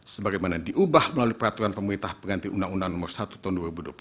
sebagaimana diubah melalui peraturan pemerintah pengganti undang undang nomor satu tahun dua ribu dua puluh satu